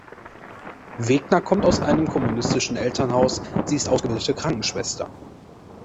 Wegner kommt aus einem kommunistischen Elternhaus, sie ist ausgebildete Krankenschwester.